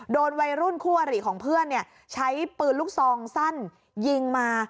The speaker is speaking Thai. โดนวัยรุ่นคู่อริของเพื่อนใช้ปืนลูกซองสั้นยิงมา